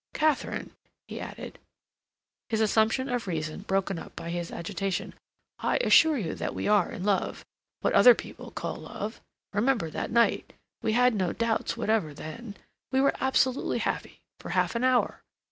Katharine," he added, his assumption of reason broken up by his agitation, "I assure you that we are in love—what other people call love. Remember that night. We had no doubts whatever then. We were absolutely happy for half an hour.